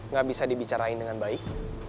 nggak bisa dibicarain dengan baik